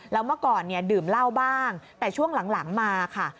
แล้วเมื่อก่อนเนี่ยดื่มเหล้าบ้างแต่ช่วงหลังมาค่ะ